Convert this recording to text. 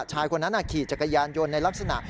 ชายคนนั้นขี่จักรยานยนต์ในลักษณะ